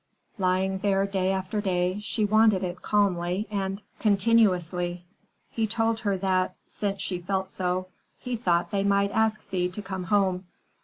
Lying there day after day, she wanted it calmly and continuously. He told her that, since she felt so, he thought they might ask Thea to come home.